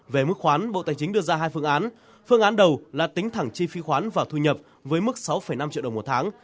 về mức khoán bộ tài chính đưa ra hai phương án phương án đầu là tính thẳng chi phí khoán và thu nhập với mức sáu năm triệu đồng một tháng